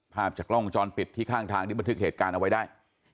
ภาพจากกล้องวงจรปิดที่ข้างทางที่บันทึกเหตุการณ์เอาไว้ได้